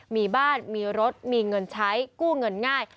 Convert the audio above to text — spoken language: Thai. มีบ้านมีรถมีเงินใช้กู้เงินง่าย